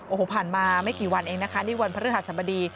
โอ้โหผ่านมาไม่กี่วันเองนะคะนี่วันพระฤหัสบดี